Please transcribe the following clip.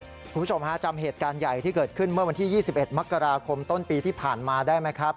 คุณผู้ชมฮะจำเหตุการณ์ใหญ่ที่เกิดขึ้นเมื่อวันที่๒๑มกราคมต้นปีที่ผ่านมาได้ไหมครับ